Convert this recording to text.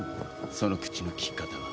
その口のきき方は。